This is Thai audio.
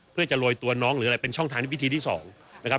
เพื่อจะโรยตัวน้องหรืออะไรเป็นช่องทางที่พิธีที่๒นะครับ